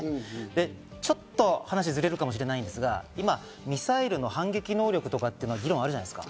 ちょっと話がズレるかもしれませんが、今、ミサイルの反撃能力とかっていう議論があるじゃないですか。